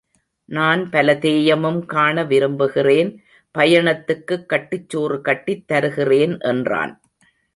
நான் பல தேயமும் காண விரும்புகிறேன். பயணத்துக்குக் கட்டுச்சோறு கட்டித் தருகிறேன் என்றான்.